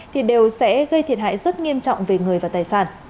thì đều sẽ gây thiệt hại rất nghiêm trọng về người và tài sản